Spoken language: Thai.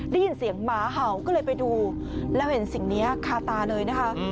ได้ยินเสียงหมาเห่าก็เลยไปดูแล้วเห็นสิ่งนี้คาตาเลยนะคะ